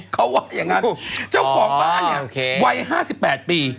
เขาว่าอย่างนั้นเจ้าของบ้านเนี่ยวัย๕๘ปี